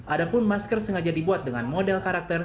adapun masker sengaja dibuat dengan model karakter